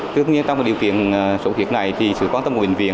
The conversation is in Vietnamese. tương nhiên trong điều kiện sốt huyết này thì sự quan tâm của bệnh viện